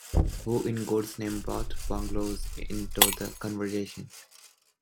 Who in God's name brought bungalows into the conversation?